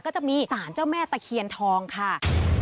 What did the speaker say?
ก็จะมีสารเจ้าแม่ตะเคียนทองค่ะ